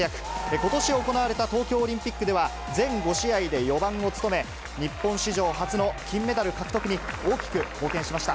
ことし行われた東京オリンピックでは、全５試合で４番を務め、日本史上初の金メダル獲得に大きく貢献しました。